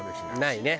ないね。